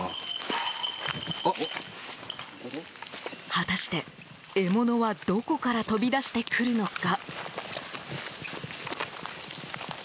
果たして、獲物はどこから飛び出してくるのか？